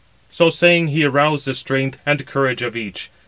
So saying, he aroused the strength and courage of each.